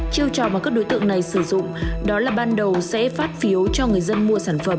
chiêu trò mà các đối tượng này sử dụng đó là ban đầu sẽ phát phiếu cho người dân mua sản phẩm